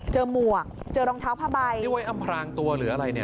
หมวกเจอรองเท้าผ้าใบด้วยอำพรางตัวหรืออะไรเนี่ย